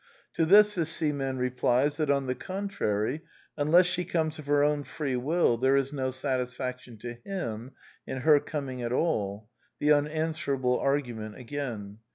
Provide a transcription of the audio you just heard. To this the seaman replies that, on the contrary, unless she comes of her own free will there is no satisfaction to him in her coming at all : the un answerable argument again.